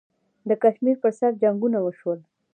د کشمیر پر سر جنګونه وشول.